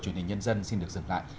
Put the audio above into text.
truyền hình nhân dân xin được dừng lại